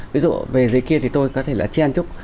ví dụ về dưới kia thì tôi có thể là chen trúc